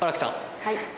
はい。